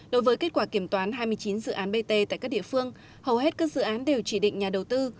đối với kết quả kiểm toán hai mươi chín dự án bt tại các địa phương hầu hết các dự án đều chỉ định nhà đầu tư